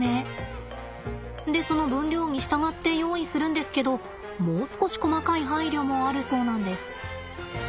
でその分量に従って用意するんですけどもう少し細かい配慮もあるそうなんです。